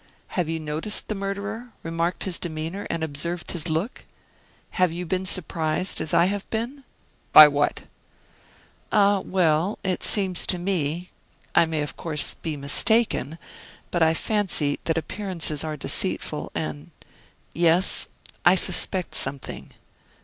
Have you noticed the murderer, remarked his demeanor, and observed his look? Have you been surprised as I have been ?" "By what?" "Ah, well! it seems to me I may, of course, be mistaken but I fancy that appearances are deceitful, and Yes, I suspect something."